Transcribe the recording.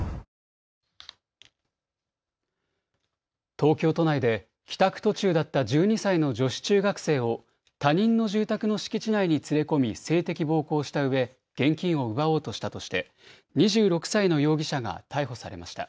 東京都内で帰宅途中だった１２歳の女子中学生を他人の住宅の敷地内に連れ込み性的暴行をしたうえ現金を奪おうとしたとして２６歳の容疑者が逮捕されました。